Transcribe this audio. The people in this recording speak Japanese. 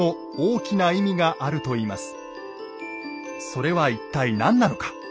それは一体何なのか。